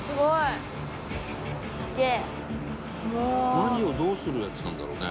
「何をどうするやつなんだろうね」